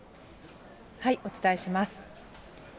お伝えします。